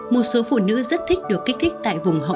một số phụ nữ rất thích được kích thích tại vùng hậu